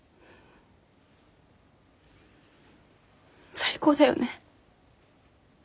最高だよね。